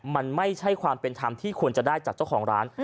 มันไม่ใช่ความเป็นธรรมที่ควรจะได้จากเจ้าของร้าน